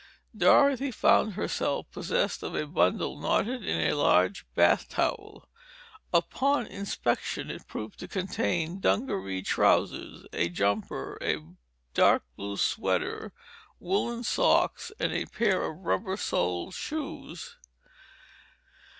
Dorothy found herself possessed of a bundle knotted in a large bath towel. Upon inspection it proved to contain dungaree trousers, a jumper, a dark blue sweater, woolen socks and a pair of rubber soled shoes.